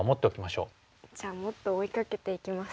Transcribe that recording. じゃあもっと追いかけていきます。